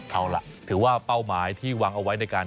เอาล่ะถือว่าเป้าหมายที่วางเอาไว้ในการ